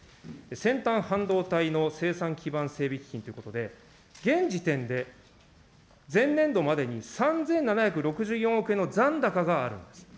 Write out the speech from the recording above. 先端半導体の生産基盤整備基金ということで、現時点で前年度までに３７６４億円の残高があるんです。